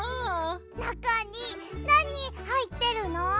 なかになにはいってるの？